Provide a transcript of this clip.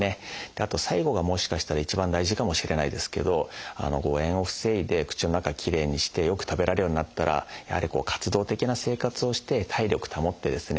あと最後がもしかしたら一番大事かもしれないですけど誤えんを防いで口の中きれいにしてよく食べられるようになったらやはり活動的な生活をして体力保ってですね